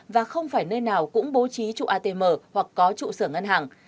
và không phải nơi nào cũng bố trí trụ atm hoặc có trụ sở ngân hàng